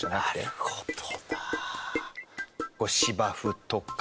なるほど。